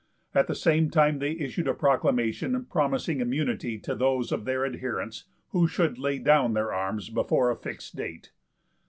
At the same time they issued a proclamation promising immunity to those of their adherents who should lay down their arms before a fixed date.